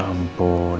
kurang tahu pak